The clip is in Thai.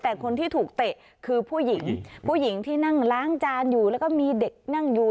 แต่คนที่ถูกเตะคือผู้หญิงผู้หญิงที่นั่งล้างจานอยู่แล้วก็มีเด็กนั่งอยู่